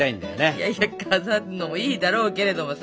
いやいや飾るのもいいだろうけれどもさ。